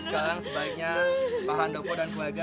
sekarang sebaiknya pak handoko dan keluarga